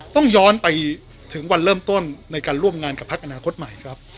ต้องย้อนไปถึงวันเริ่มต้นในการร่วมงานกับพักอนาคตใหม่ครับ